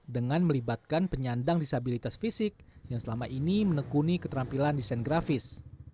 dengan melibatkan penyandang disabilitas fisik yang selama ini menekuni keterampilan desain grafis